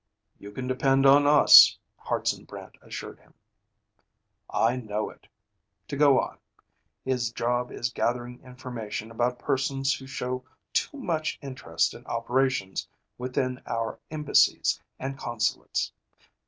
"You can depend on us," Hartson Brant assured him. "I know it. To go on. His job is gathering information about persons who show too much interest in operations within our embassies and consulates.